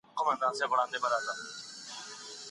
که صبر ونه سي، خیر به ښکاره نه سي.